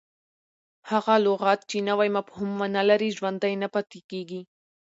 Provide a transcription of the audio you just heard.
هغه لغت، چي نوی مفهوم و نه لري، ژوندی نه پاته کیږي.